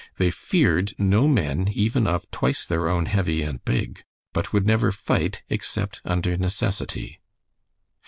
They feared no men even of "twice their own heavy and big," but would never fight except under necessity.